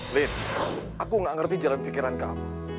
lift aku gak ngerti jalan pikiran kamu